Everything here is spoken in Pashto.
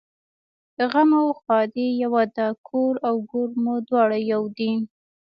غم او ښادي یوه ده کور او ګور مو دواړه یو دي